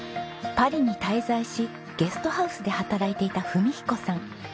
パリに滞在しゲストハウスで働いていた文彦さん。